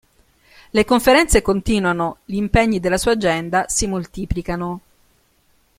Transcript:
Le conferenze continuano, gli impegni della sua agenda si moltiplicano.